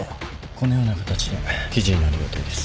このような形で記事になる予定です。